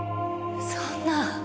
そんな。